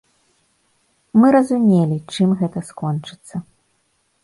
Мы разумелі, чым гэта скончыцца.